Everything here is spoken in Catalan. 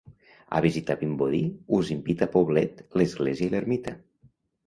A visitar Vimbodí us invita Poblet, l'església i l'ermita.